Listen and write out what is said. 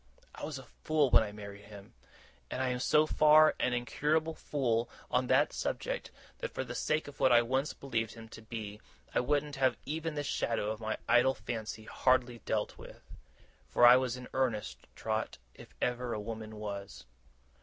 I was a fool when I married him; and I am so far an incurable fool on that subject, that, for the sake of what I once believed him to be, I wouldn't have even this shadow of my idle fancy hardly dealt with. For I was in earnest, Trot, if ever a woman was.